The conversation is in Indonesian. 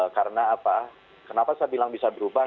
kenapa saya bilang bisa berubah